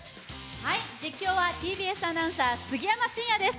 実況はＴＢＳアナウンサー、杉山真也です。